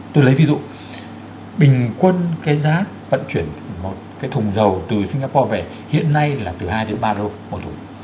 tôi lấy ví dụ bình quân cái giá vận chuyển một cái thùng dầu từ singapore về hiện nay là từ hai đến ba đâu một thùng